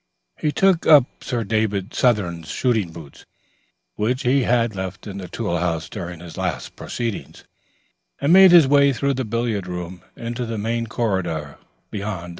He took up Sir David Southern's shooting boots, which he had left in the tool house during his last proceedings, and made his way through the billiard room into the main corridor beyond.